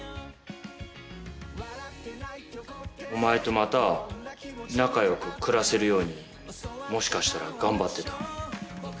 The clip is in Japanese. お前とまた仲良く暮らせるようにもしかしたら頑張ってた？